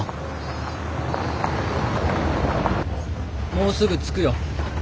もうすぐ着くよ。